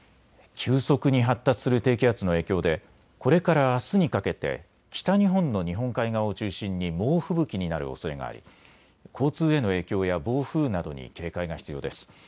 急速に発達する低気圧の影響でこれからあすにかけて北日本の日本海側を中心に猛吹雪になるおそれがあり交通への影響や暴風などに警戒が必要です。